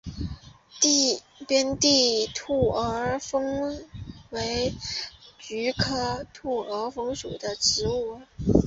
边地兔儿风为菊科兔儿风属的植物。